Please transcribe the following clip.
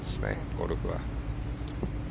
ゴルフは。